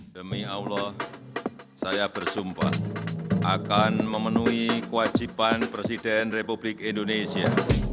demi allah saya bersumpah akan memenuhi kewajiban presiden republik indonesia